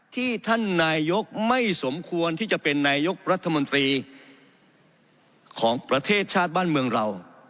ที่ท่านนายกไม่สมควรที่จะเป็นนายกรัฐมนตรีของประเทศชาติบ้านเมืองเรา